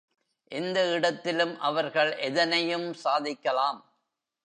எந்த இடத்திலும் அவர்கள் எதனையும் சாதிக்கலாம்.